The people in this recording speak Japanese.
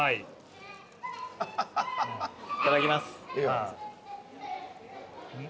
いただきます。